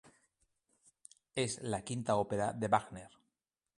Es la quinta ópera de Wagner.